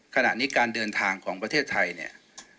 ขณะนี้การเดินทางของประเทศไทยเนี่ย